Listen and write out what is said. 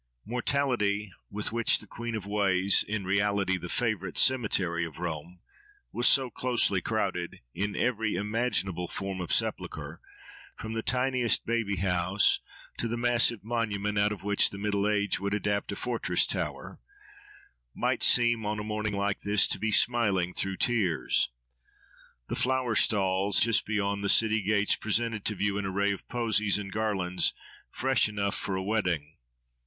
Mortality, with which the Queen of Ways—in reality the favourite cemetery of Rome—was so closely crowded, in every imaginable form of sepulchre, from the tiniest baby house, to the massive monument out of which the Middle Age would adapt a fortress tower, might seem, on a morning like this, to be "smiling through tears." The flower stalls just beyond the city gates presented to view an array of posies and garlands, fresh enough for a wedding.